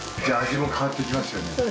じゃあ味も変わってきますよね。